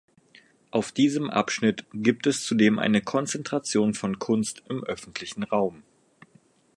Auf diesem Abschnitt gibt es zudem eine Konzentration von Kunst im öffentlichen Raum.